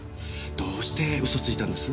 どうして嘘ついたんです？